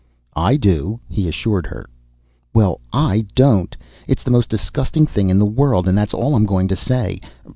"I do," he assured her. "Well, I don't! It's the most disgusting thing in the world, and that's all I'm going to say.